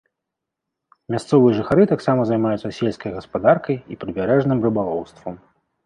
Мясцовыя жыхары таксама займаюцца сельскай гаспадаркай і прыбярэжным рыбалоўствам.